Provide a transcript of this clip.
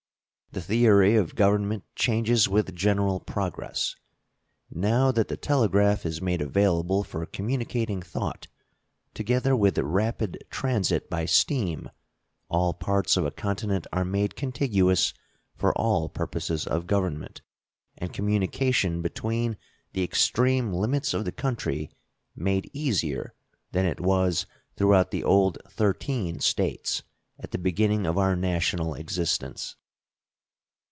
The theory of government changes with general progress. Now that the telegraph is made available for communicating thought, together with rapid transit by steam, all parts of a continent are made contiguous for all purposes of government, and communication between the extreme limits of the country made easier than it was throughout the old thirteen States at the beginning of our national existence.